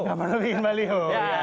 enggak perlu bikin baliho